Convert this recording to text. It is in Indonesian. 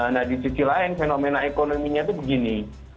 nah di sisi lain fenomena ekonominya itu begini